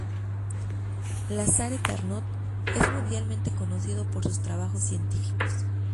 Lazare Carnot es mundialmente conocido por sus trabajos científicos.